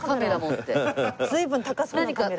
随分高そうなカメラ。